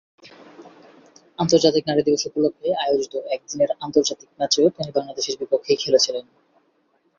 আন্তর্জাতিক নারী দিবস উপলক্ষে আয়োজিত একদিনের আন্তর্জাতিক ম্যাচেও তিনি বাংলাদেশের বিপক্ষেই খেলেছিলেন।